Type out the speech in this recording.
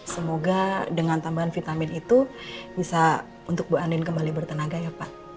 semoga dengan tambahan vitamin itu bisa untuk bu anin kembali bertenaga ya pak